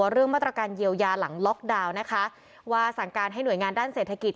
เรื่องมาตรการเยียวยาหลังล็อกดาวน์นะคะว่าสั่งการให้หน่วยงานด้านเศรษฐกิจ